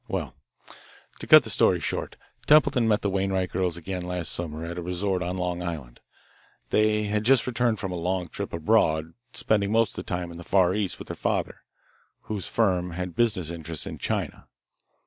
"Well, to cut the story short, Templeton met the Wainwright girls again last summer at a resort on Long Island. They had just returned from a long trip abroad, spending most of the time in the Far East with their father, whose firm has business interests in China.